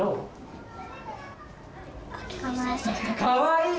かわいい？